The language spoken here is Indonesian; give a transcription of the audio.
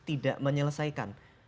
ini tidak menyelesaikan